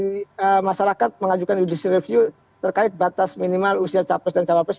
misalkan mk tadi ya masyarakat mengajukan judisi review terkait batas minimal usia cawapres dan cawapres